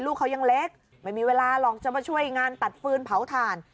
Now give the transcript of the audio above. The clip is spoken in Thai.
ลูกเขายังเล็กไม่มีเวลาหรอกจะมาช่วยงานตัดฟืนเผาถ่าน